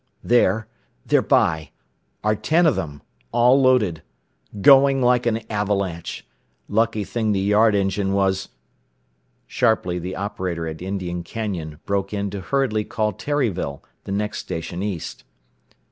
"There they're by! Are ten of them. All loaded. Going like an avalanche. Lucky thing the yard engine was " Sharply the operator at Indian Canyon broke in to hurriedly call Terryville, the next station east.